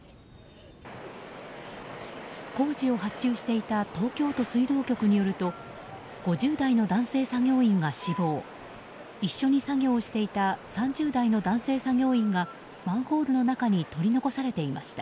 工事を発注していた東京都水道局によると５０代の男性作業員が死亡一緒に作業していた３０代の男性作業員がマンホールの中に取り残されていました。